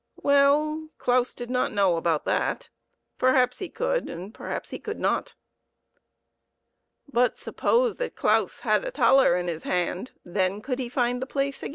Well, Claus did not know how about that ; perhaps he could, and perhaps he could not. But suppose that Claus had a thaler in his hand, then could he find the place again